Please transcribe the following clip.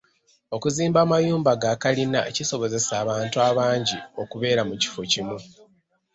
Okuzimba amayumba ga kalina kisobozesa abantu abangi okubeera mu kifo kimu.